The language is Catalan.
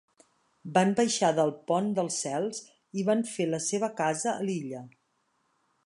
Van baixar del pont dels cels i van fer la seva casa a l'illa.